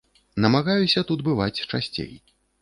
Намагаюся тут бываць часцей.